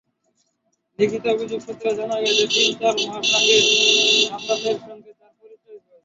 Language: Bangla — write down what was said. লিখিত অভিযোগ সূত্রে জানা গেছে, তিন-চার মাস আগে সাদ্দাতের সঙ্গে তাঁর পরিচয় হয়।